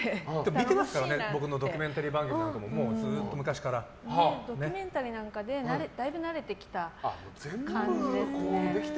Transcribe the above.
見てますからね、僕のドキュメンタリー番組なんかもドキュメンタリーなんかでだいぶ慣れてきた感じです。